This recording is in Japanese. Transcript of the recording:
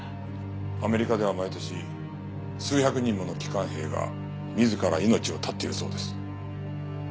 アメリカでは毎年数百人もの帰還兵が自ら命を絶っているそうです。